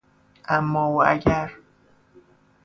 اماو اگر